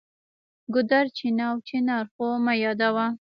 ګودر، چینه او چنار خو مه یادوه.